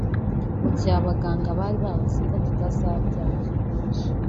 mu gihe abaganga bari bavuze ko tutazabyara